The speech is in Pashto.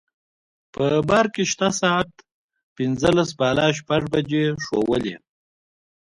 په بار کې شته ساعت پنځلس بالا شپږ بجې ښوولې.